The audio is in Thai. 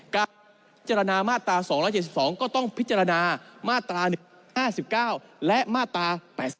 การพิจารณามาตรา๒๗๒ก็ต้องพิจารณามาตรา๑๕๙และมาตรา๘๔